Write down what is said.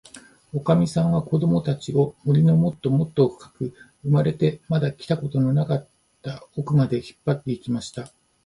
おかみさんは、こどもたちを、森のもっともっとふかく、生まれてまだ来たことのなかったおくまで、引っぱって行きました。